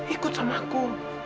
ikut sama aku